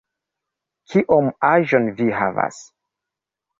Kiom aĝon vi havas?